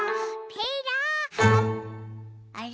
あれ？